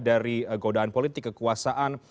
dari godaan politik kekuasaan